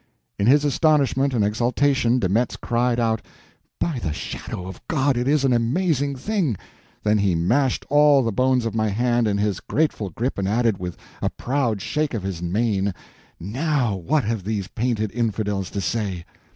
In his astonishment and exultation De Metz cried out: "By the shadow of God, it is an amazing thing!" Then he mashed all the bones of my hand in his grateful grip, and added, with a proud shake of his mane, "Now, what have these painted infidels to say!"